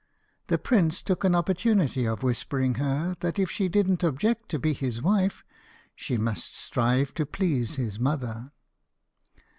The prince took an opportunity of whispering her that if she didn't object to be his wife she must strive to please his mother.